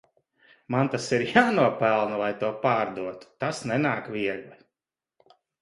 Man tas ir jānopelna lai to pārdotu, tas nenāk viegli.